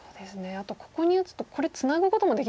あとここに打つとこれツナぐこともできないんですね。